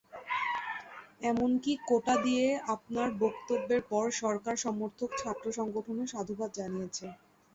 এমনকি কোটা নিয়ে আপনার বক্তব্যের পর সরকার সমর্থক ছাত্রসংগঠনও সাধুবাদ জানিয়েছে।